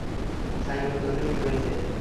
Simon, যথেষ্ট হয়েছে!